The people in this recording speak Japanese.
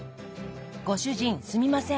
ご主人すみません。